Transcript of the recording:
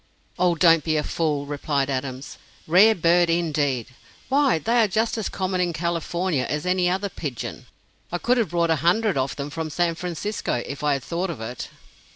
"Oh, don't be a fool," replied Adams. "Rare bird, indeed! Why, they are just as common in California as any other pigeon! I could have brought a hundred of them from San Francisco, if I had thought of it."